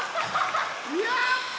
やった！